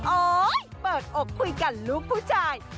โอ๊ยเปิดอกคุยกันลูกผู้ชาย